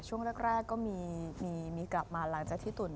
ช่วงแรกก็มีกลับมาหลังจากที่ตุ๋น